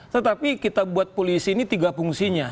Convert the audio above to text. tetapi kita buat polisi ini tiga fungsinya